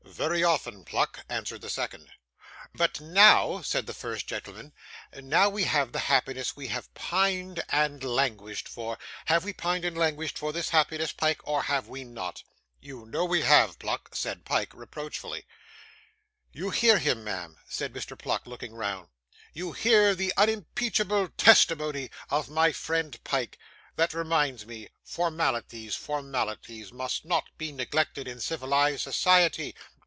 'Very often, Pluck,' answered the second. 'But now,' said the first gentleman, 'now we have the happiness we have pined and languished for. Have we pined and languished for this happiness, Pyke, or have we not?' 'You know we have, Pluck,' said Pyke, reproachfully. 'You hear him, ma'am?' said Mr. Pluck, looking round; 'you hear the unimpeachable testimony of my friend Pyke that reminds me, formalities, formalities, must not be neglected in civilised society.